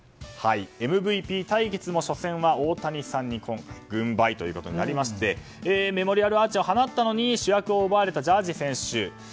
ＭＶＰ対決も初戦は大谷さんに軍配ということになりましてメモリアルアーチを放ったのに主役を奪われたジャッジ選手。